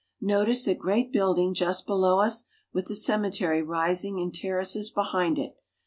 Notice that great building just below us, with the ceme tery rising in terraces behind it.